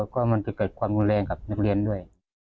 ก็มันจะเกิดความรุนแรงกับนักเรียนด้วย